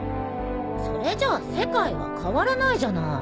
それじゃあ世界は変わらないじゃない。